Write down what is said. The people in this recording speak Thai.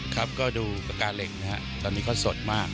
ครับก็ดูประกาศเหล็กตอนนี้เขาสดมาก